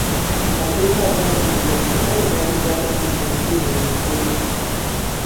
Amaduuka agaazimbibwa mu katale gaali ga bwannannyini eri buli musuubuzi.